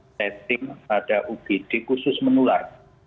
setting pada ugd khusus menular